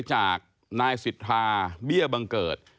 จากนายสิทธาเบี้ยบังเกิด